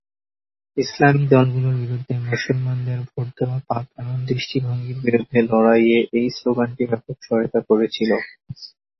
ইসলামী দলগুলোর বিরুদ্ধে মুসলমানদের ভোট দেওয়া পাপ এমন দৃষ্টিভঙ্গির বিরুদ্ধে লড়াইয়ে এই স্লোগানটি ব্যাপক সহায়তা করেছিল।